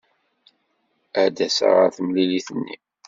Ad d-aseɣ ɣer temlilit-nni.